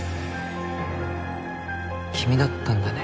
君だったんだね